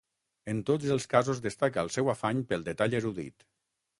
En tots els casos destaca el seu afany pel detall erudit.